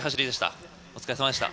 お疲れさまでした。